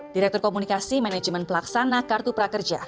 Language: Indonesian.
direktur komunikasi manajemen pelaksana kartu prakerja